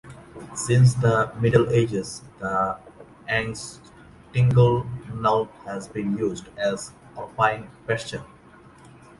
Since the Middle Ages the Engstligenalp has been used as alpine pasture.